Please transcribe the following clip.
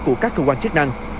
của các cơ quan chức năng